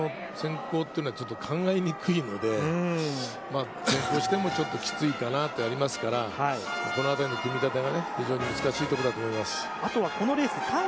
吉田の先行は考えにくいので、どうしても、ちょっときついかなっていうのはありますから、このあたりの組み立てが非常に難しいところだと思います。